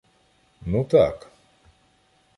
— Ну, так.